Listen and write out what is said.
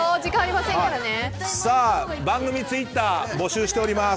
番組ツイッター募集しています。